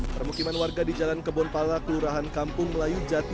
permukiman warga di jalan kebonpala kelurahan kampung melayu jati